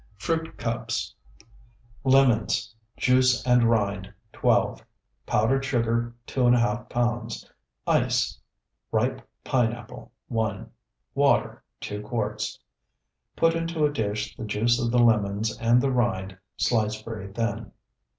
FRUIT CUPS Lemons, juice and rind, 12. Powdered sugar, 2½ pounds. Ice. Ripe pineapple, 1. Water, 2 quarts. Put into a dish the juice of the lemons and the rind sliced very thin.